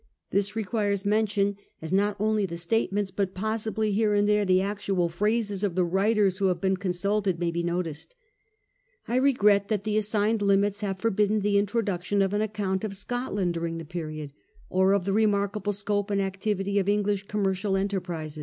This requires mention, as not only the statements, but possibly here and there the actual phrases, of the writers who have been consulted may be noticed. I regret that the assigned limits have forbidden the introduction of an account of Scotland during the period, or of the remarkable scope and activity of English commercial enterprise.